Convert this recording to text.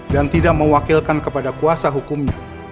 dan tidak mewakilkan kepada kuasa hukumnya